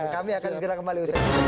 kami akan gerak kembali